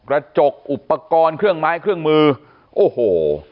กระจกอุปกรณ์เครื่องไม้เครื่องมือโอ้โห